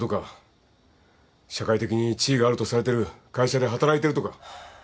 社会的に地位があるとされてる会社で働いてるとか。